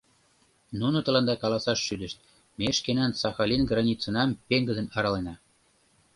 Нуно тыланда каласаш шӱдышт: ме шкенан Сахалин границынам пеҥгыдын аралена.